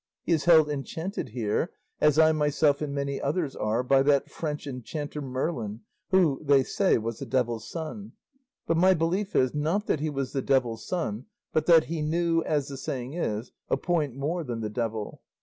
He is held enchanted here, as I myself and many others are, by that French enchanter Merlin, who, they say, was the devil's son; but my belief is, not that he was the devil's son, but that he knew, as the saying is, a point more than the devil.